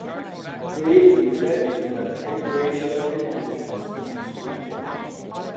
Reed reflected the deep racial prejudices of his region.